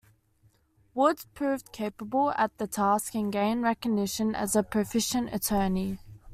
Woods proved capable at the task and gained recognition as a proficient attorney.